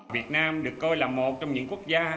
việt nam được coi là một trong những quốc gia